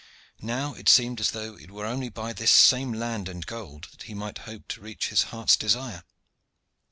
Now it seemed as though it were only by this same land and gold that he might hope to reach his heart's desire.